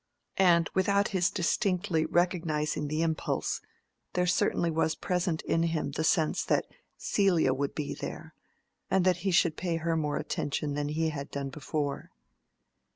And without his distinctly recognizing the impulse, there certainly was present in him the sense that Celia would be there, and that he should pay her more attention than he had done before.